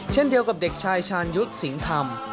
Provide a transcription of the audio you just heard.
เช่นเดียวกับเด็กชายชาญยุทธ์สิงห์ธรรม